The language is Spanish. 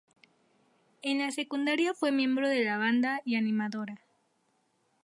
En la secundaria fue miembro de la banda y animadora.